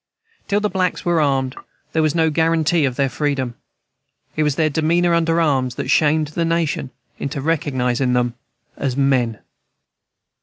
Till the blacks were armed, there was no guaranty of their freedom. It was their demeanor under arms that shamed the nation into recognizing them as men.